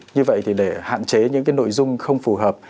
như vậy thì để hạn chế những cái nội dung không phù hợp